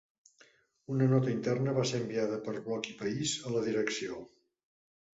Una nota interna va ser enviada per Bloc i País a la direcció